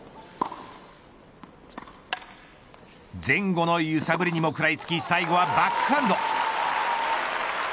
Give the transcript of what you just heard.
前後の揺さぶりにも食らいつき最後はバックハンド。